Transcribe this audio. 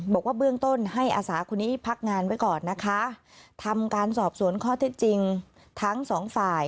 บอกว่าเบื้องต้นให้อาสาคนนี้พักงานไว้ก่อนนะคะทำการสอบสวนข้อเท็จจริงทั้งสองฝ่าย